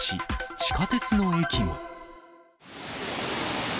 地下鉄の駅も。